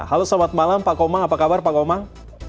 halo selamat malam pak komang apa kabar pak komang